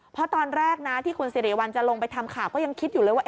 เพราะตอนแรกนะที่คุณสิริวัลจะลงไปทำข่าวก็ยังคิดอยู่เลยว่า